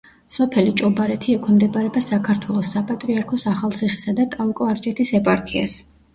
სოფელი ჭობარეთი ექვემდებარება საქართველოს საპატრიარქოს ახალციხისა და ტაო-კლარჯეთის ეპარქიას.